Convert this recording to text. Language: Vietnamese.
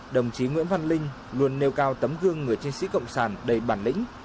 đồng chí nguyễn văn linh luôn nêu cao tấm gương người chiến sĩ cộng sản đầy bản lĩnh